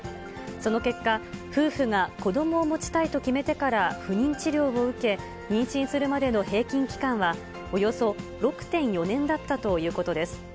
その結果、夫婦が子どもを持ちたいと決めてから不妊治療を受け、妊娠するまでの平均期間はおよそ６．４年だったということです。